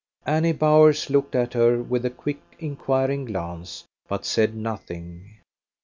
Annie Bowers looked at her with a quick inquiring glance, but said nothing.